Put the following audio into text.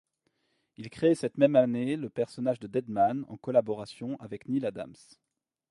Il crée cette même année le personnage de Deadman en collaboration avec Neal Adams.